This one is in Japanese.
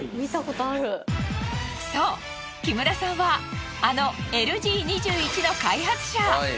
そう木村さんはあのＬＧ２１の開発者。